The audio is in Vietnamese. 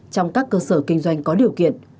trong các cơ sở kinh doanh có điều